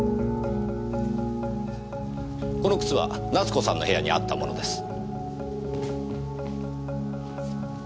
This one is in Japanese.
この靴は奈津子さんの部屋にあったものです。